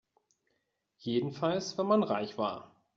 Jedenfalls wenn man reich war.